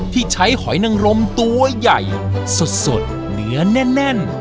ที่ใช้หอยนังรมตัวใหญ่สดเนื้อแน่น